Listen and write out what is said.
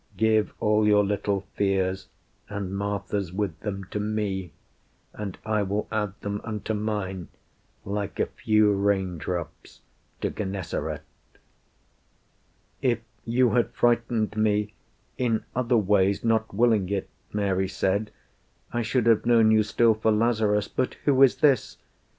Give all your little fears, and Martha's with them, To me; and I will add them unto mine, Like a few rain drops to Gennesaret." "If you had frightened me in other ways, Not willing it," Mary said, "I should have known You still for Lazarus. But who is this?